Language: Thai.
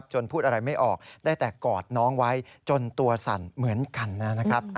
พูดอะไรไม่ออกได้แต่กอดน้องไว้จนตัวสั่นเหมือนกันนะครับ